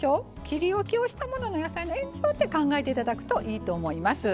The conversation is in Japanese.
切りおきをしたものの野菜の延長って考えていただくといいと思います。